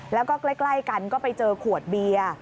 แล้วก็ใกล้กันก็ไปเจอขวดเบียร์